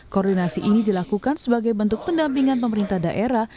koordinasi ini dilakukan sebagai bentuk pendampingan pemerintah daerah